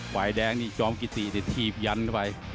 ไหวแดงนี่จอมกี่ตีจะทีบยันเข้าไป